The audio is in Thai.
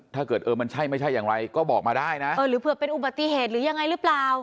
ถ้าเกิดเออมันใช่ไม่ใช่อย่างไรก็บอกมาได้นะเออหรือเผื่อเป็นอุบัติเหตุหรือยังไงหรือเปล่า